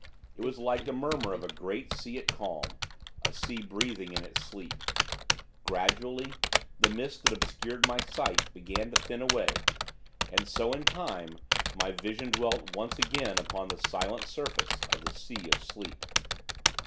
It was like the murmur of a great sea at calm a sea breathing in its sleep. Gradually, the mist that obscured my sight, began to thin away; and so, in time, my vision dwelt once again upon the silent surface of the Sea of Sleep.